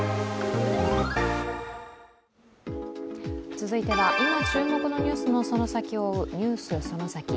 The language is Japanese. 続いては、今注目のニュースのその先を追う「ＮＥＷＳそのサキ！」。